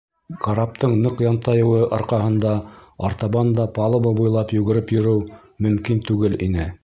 Караптың ныҡ янтайыуы арҡаһында артабан да палуба буйлап йүгереп йөрөү мөмкин түгел ине.